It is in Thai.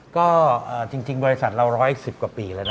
ก็จริงบริษัทเรา๑๑๐กว่าปีแล้วนะ